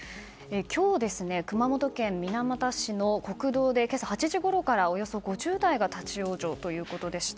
今日、熊本県水俣市の国道で今朝８時ごろからおよそ５０台が立ち往生ということでした。